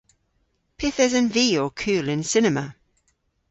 Pyth esen vy ow kul y'n cinema?